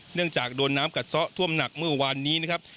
จากโดนน้ำกัดซะท่วมหนักเมื่อวานนี้นะครับ